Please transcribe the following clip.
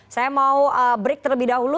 saya mau break terlebih dahulu